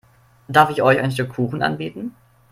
Darf ich euch ein Stück Kuchen anbieten?